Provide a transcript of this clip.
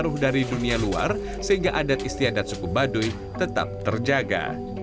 seluruh dari dunia luar sehingga adat istiadat suku baduy tetap terjaga